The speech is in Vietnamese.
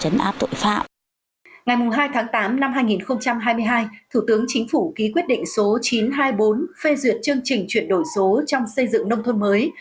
ngày hai tháng tám năm hai nghìn hai mươi hai thủ tướng chính phủ ký quyết định số chín trăm hai mươi bốn phê duyệt chương trình chuyển đổi số trong xây dựng nông thôn mới